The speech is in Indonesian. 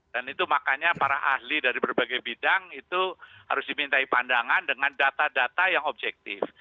dan itu makanya para ahli dari berbagai bidang itu harus dimintai pandangan dengan data data yang objektif